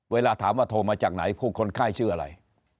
เวลาถามว่าโทรมาจากไหนผู้คนไข้ชื่ออะไร